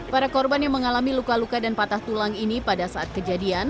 para korban yang mengalami luka luka dan patah tulang ini pada saat kejadian